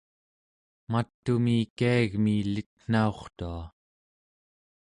mat'umi kiagmi elitnaurtua